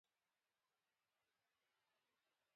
شیخ سلیم د هغه مړ شوي غل المنصور پلار و.